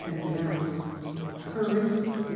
an ounce ; cur rants 9d.